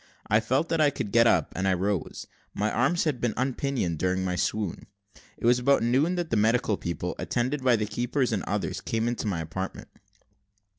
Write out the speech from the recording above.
I felt that I could get up, and I rose: my arms had been unpinioned during my swoon. It was about noon that the medical people, attended by the keepers and others, came into my apartment.